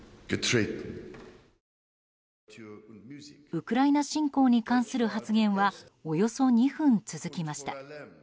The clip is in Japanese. ウクライナ侵攻に関する発言はおよそ２分続きました。